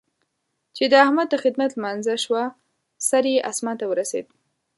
چې د احمد د خدمت لمانځه شوه؛ سر يې اسمان ته ورسېد.